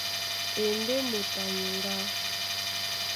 A e ndé moto a nyuŋgá.